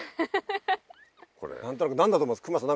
何となく何だと思います？